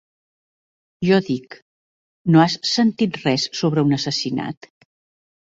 Jo dic: "no has sentit res sobre un assassinat?".